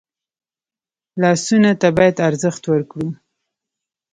لاسونه ته باید ارزښت ورکړو